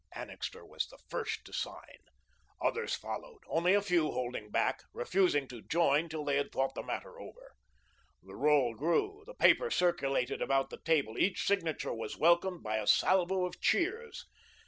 Annixter was the first to sign. Others followed, only a few holding back, refusing to join till they had thought the matter over. The roll grew; the paper circulated about the table; each signature was welcomed by a salvo of cheers.